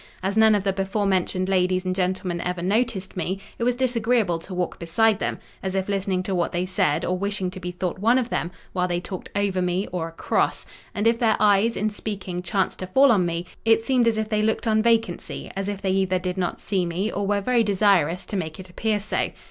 As none of the before mentioned ladies and gentlemen ever noticed me, it was disagreeable to walk beside them, as if listening to what they said, or wishing to be thought one of them, while they talked over me, or across; and if their eyes, in speaking, chanced to fall on me, it seemed as if they looked on vacancy—as if they either did not see me, or were very desirous to make it appear so.